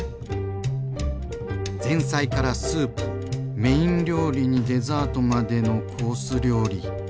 前菜からスープメイン料理にデザートまでのコース料理。